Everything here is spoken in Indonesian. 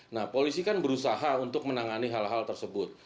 nah polisi kan berusaha untuk menangani hal hal tersebut